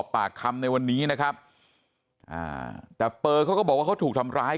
ปากคำในวันนี้นะครับอ่าแต่เปอร์เขาก็บอกว่าเขาถูกทำร้าย